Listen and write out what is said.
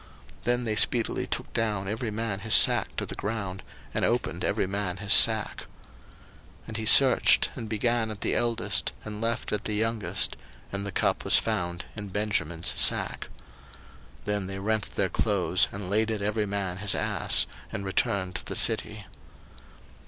01:044:011 Then they speedily took down every man his sack to the ground, and opened every man his sack. 01:044:012 And he searched, and began at the eldest, and left at the youngest: and the cup was found in Benjamin's sack. 01:044:013 Then they rent their clothes, and laded every man his ass, and returned to the city.